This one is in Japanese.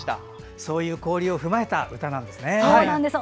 そういう思いを踏まえた歌なんですね。